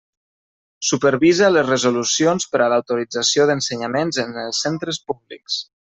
Supervisa les resolucions per a l'autorització d'ensenyaments en els centres públics.